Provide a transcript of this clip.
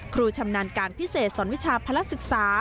ชำนาญการพิเศษสอนวิชาพระศึกษา